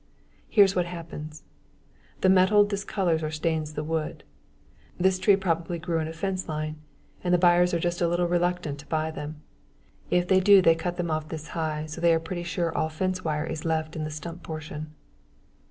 Here's what happens. The metal discolors or stains the wood. This tree probably grew in a fence line. The buyers are just a little reluctant to buy them. If they do they cut them off this high so they are pretty sure all fence wire is left in the stump portion.